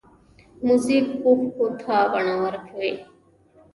موزیک اوښکو ته بڼه ورکوي.